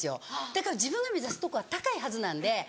だから自分が目指すとこは高いはずなんで。